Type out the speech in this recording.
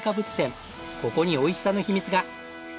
ここにおいしさの秘密が。